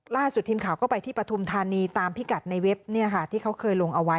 ล่าสุดทีมข่าวก็ไปที่ปฐุมธานีตามพิกัดในเว็บที่เขาเคยลงเอาไว้